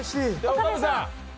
岡部さん。